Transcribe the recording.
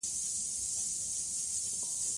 نمک د افغانانو لپاره په معنوي لحاظ ارزښت لري.